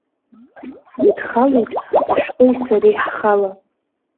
Ҳаидхалеит ашәҟәи сареи ҳхала.